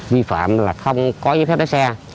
vi phạm là không có giấy phép lấy xe